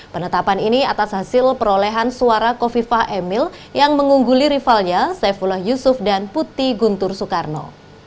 penetapan ini atas hasil perolehan suara kofifah emil yang mengungguli rivalnya saifullah yusuf dan putih guntur soekarno